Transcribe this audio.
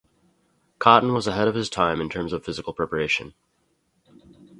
Cotton was ahead of his time in terms of physical preparation.